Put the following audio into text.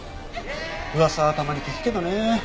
噂はたまに聞くけどね。